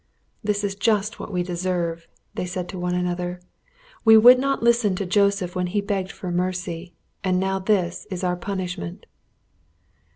"This is just what we deserve," they said to one another. "We would not listen to Joseph when he begged for mercy, and now this is our punishment."